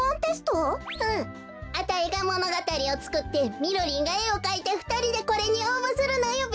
あたいがものがたりをつくってみろりんがえをかいてふたりでこれにおうぼするのよべ。